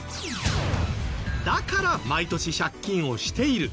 だから毎年借金をしている。